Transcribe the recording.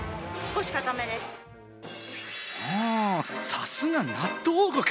さすが納豆王国！